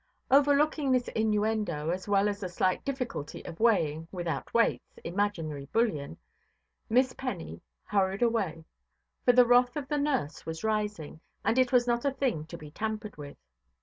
Overlooking this innuendo, as well as the slight difficulty of weighing, without weights, imaginary bullion, Miss Penny hurried away; for the wrath of the nurse was rising, and it was not a thing to be tampered with.